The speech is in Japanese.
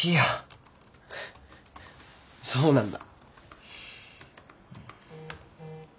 そうなんだ。